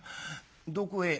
どこへ？」。